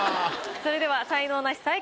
それでは才能ナシ最下位